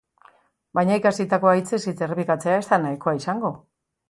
Baina ikasitakoa hitzez hitz errepikatzea ez da nahikoa izango.